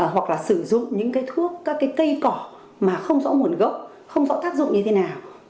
hoặc là sử dụng những cái thuốc các cái cây cỏ mà không rõ nguồn gốc không rõ tác dụng như thế nào